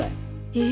え？